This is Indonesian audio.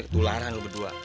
dukir tularan lu berdua